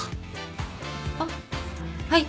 あっはい。